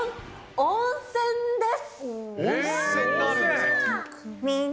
温泉です。